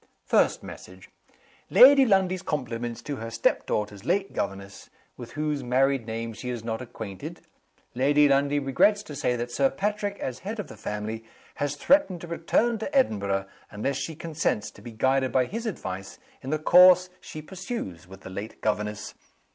"First message: 'Lady Lundie's compliments to her step daughter's late governess with whose married name she is not acquainted. Lady Lundie regrets to say that Sir Patrick, as head of the family, has threatened to return to Edinburgh, unless she consents to be guided by his advice in the course she pursues with the late governess.